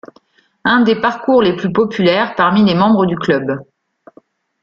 Un des parcours les plus populaires parmi les membres du club.